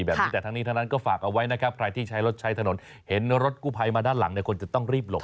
ให้จากนั้นก็ฝากเอาไว้นะครับใครที่ใช้รถใช้ถนนเห็นรถกุพัยมาด้านหลังในคนจะตั้งรีบหลบต่อ